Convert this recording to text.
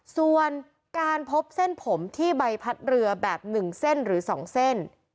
ส่วนการพบเส้นผมที่ใบพัดเรือแบบ๑เส้นหรือ๒เส้น